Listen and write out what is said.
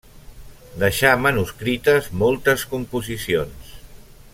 Deixà manuscrites moltes composicions.